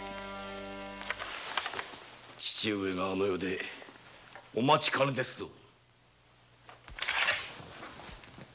父上があの世でお待ちかねですぞ。